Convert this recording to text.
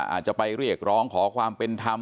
อาจจะไปเรียกร้องขอความเป็นธรรม